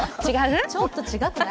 ちょっと違くない？